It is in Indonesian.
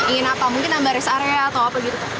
ingin apa mungkin tambah res area atau apa gitu